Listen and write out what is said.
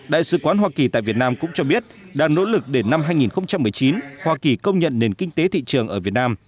đại sứ quán hoa kỳ tại việt nam cũng cho biết đang nỗ lực để năm hai nghìn một mươi chín hoa kỳ công nhận nền kinh tế thị trường ở việt nam